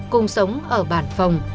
cùng sống ở bản phòng